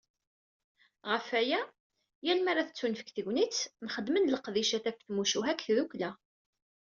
Ɣef waya, yal mi ara tettunefk tegnit, nxeddem-d leqdicat ɣef tmucuha deg tdukkla”.